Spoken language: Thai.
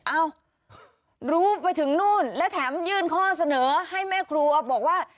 เอ้ารู้ไปถึงนู่นและแถมยื่นข้อเสนอให้แม่ครัวบอกว่า